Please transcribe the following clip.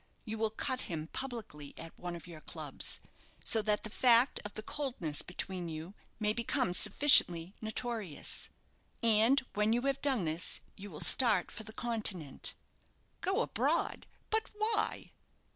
You will cut him publicly at one of your clubs; so that the fact of the coldness between you may become sufficiently notorious. And when you have done this, you will start for the Continent." "Go abroad? But why?"